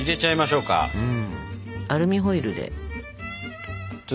うん。